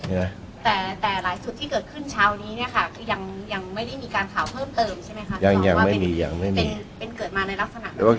แต่หลายสุดที่เกิดขึ้นเช้านี้ยังไม่ได้มีการข่าวเพิ่มเติมใช่ไหมคะ